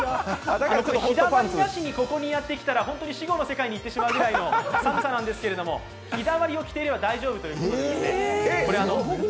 ひだまりなしにここにやってきたら本当に死後の世界に行ってしまうぐらいの寒さなんですけど、ひだまりを着ていれば大丈夫ということで。